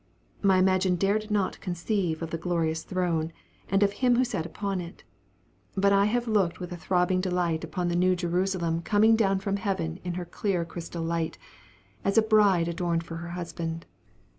My imagination dared not conceive of the glorious throne, and of Him who sat upon it; but I have looked with a throbbing delight upon the New Jerusalem coming down from heaven in her clear crystal light, "as a bride adorned for her husband."